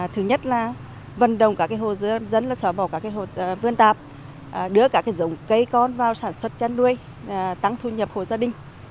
thứ nhất là vận động các hồ dân xóa bỏ các hồ vươn đạp đưa cả dòng cây con vào sản xuất chăn nuôi tăng thu nhập của gia đình